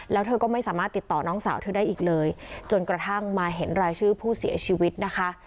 แล้วเธอก็ไม่สามารถติดต่อน้องสาวเธอได้อีกเลยจนกระทั่งมาเห็นรายชื่อผู้เสียชีวิตนะคะ